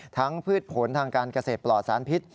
พืชผลทางการเกษตรปลอดสารพิษ